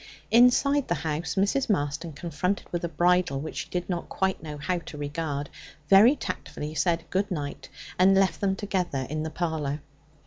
Inside the house Mrs. Marston confronted with a bridal which she did not quite know how to regard, very tactfully said good night, and left them together in the parlour.